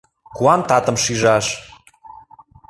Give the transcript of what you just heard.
Куан татым шижаш